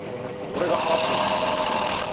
俺が払っといたから。